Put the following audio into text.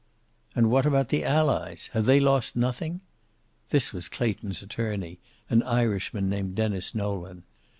"And what about the Allies? Have they lost nothing?" This was Clayton's attorney, an Irishman named Denis Nolan.